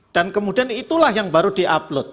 dan kemudian itulah yang baru diupload